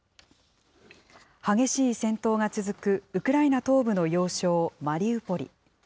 激しい戦闘が続くウクライナ東部の要衝、マリウポリ。